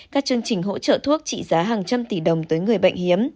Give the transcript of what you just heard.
các chương trình hỗ trợ thuốc trị giá hàng trăm tỷ đồng tới người bệnh hiếm